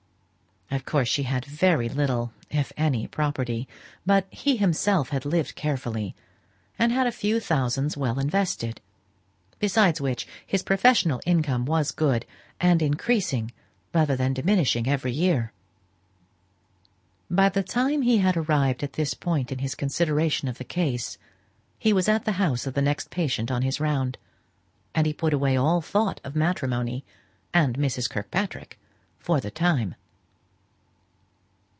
Of course she had very little, if any, property. But he himself had lived carefully, and had a few thousands well invested; besides which, his professional income was good, and increasing rather than diminishing every year. By the time he had arrived at this point in his consideration of the case, he was at the house of the next patient on his round, and he put away all thought of matrimony and Mrs. Kirkpatrick for the time.